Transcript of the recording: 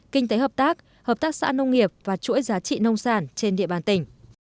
kinh tế hợp tác hợp tác xã nông nghiệp và chuỗi giá trị nông sản trên địa bàn tỉnh